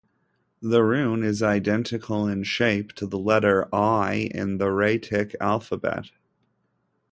The rune is identical in shape to the letter "l" in the Raetic alphabet.